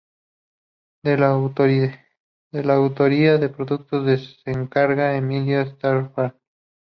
De la autoría y producción se encargaron Emilio Estefan Jr.